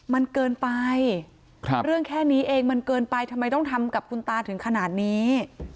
มันเกินไปเรื่องแค่นี้เองมันเกินไปทำไมต้องทำกับคุณตาถึงขนาดนี้